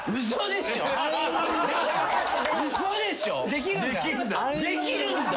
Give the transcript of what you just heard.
できるんだ！